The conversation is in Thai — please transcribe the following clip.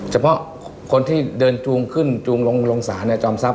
เฉพาะคนที่เดินจูงขึ้นจูงลงศาลเนี่ยจอมทรัพ